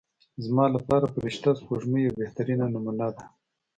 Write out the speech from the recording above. زما لپاره فرشته سپوږمۍ یوه بهترینه نمونه ده.